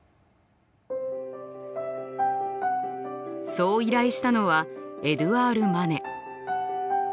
そう依頼したのはエドゥアール・マネ。